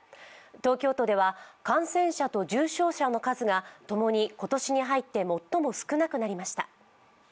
東京都では感染者と重症者の数がともに今年に入って最も少なくなりました。